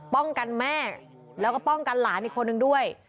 ป้องกันแม่แล้วก็ป้องกันหลานอีกคนนึงด้วย